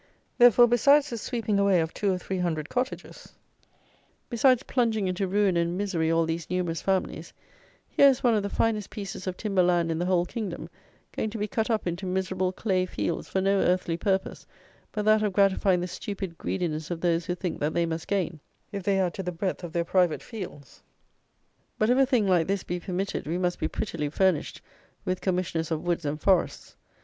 Therefore, besides the sweeping away of two or three hundred cottages; besides plunging into ruin and misery all these numerous families, here is one of the finest pieces of timber land in the whole kingdom, going to be cut up into miserable clay fields, for no earthly purpose but that of gratifying the stupid greediness of those who think that they must gain, if they add to the breadth of their private fields. But if a thing like this be permitted, we must be prettily furnished with Commissioners of woods and forests!